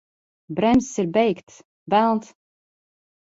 Bremzes ir beigtas! Velns!